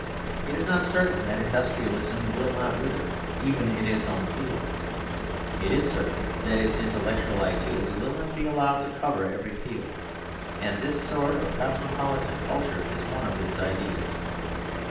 It is not certain that industrialism will not wither even in its own field; it is certain that its intellectual ideas will not be allowed to cover every field; and this sort of cosmopolitan culture is one of its ideas.